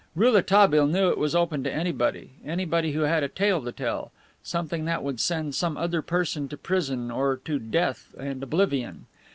Rouletabille knew it was open to anybody anybody who had a tale to tell, something that would send some other person to prison or to death and oblivion.